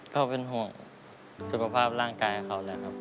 ก็เป็นห่วงสุขภาพร่างกายเขาแหละครับ